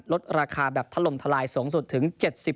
ลดราคาแบบถล่มทลายสูงสุดถึง๗๐